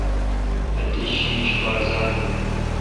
اتیش شینش پہ ازات بے°۔